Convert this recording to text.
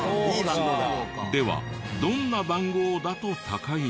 ではどんな番号だと高いの？